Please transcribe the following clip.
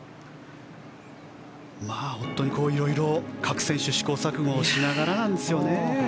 本当に色々、各選手試行錯誤しながらなんですよね。